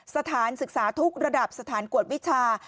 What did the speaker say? สถานศึกษาทุกระดับสถานกวดวิชา